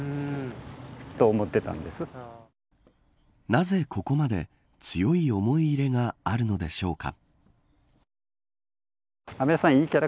なぜ、ここまで強い思い入れがあるのでしょうか。